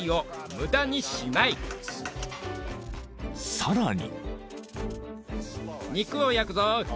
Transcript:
［さらに］